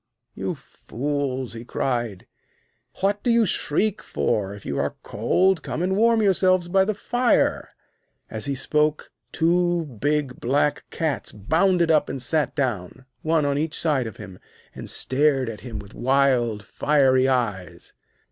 'You fools!' he cried. 'What do you shriek for? If you are cold, come and warm yourselves by the fire.' As he spoke, two big black cats bounded up and sat down, one on each side of him, and stared at him with wild, fiery eyes.